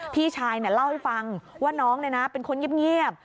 พี่ชายเล่าให้ฟังว่าน้องเป็นคนเงียบ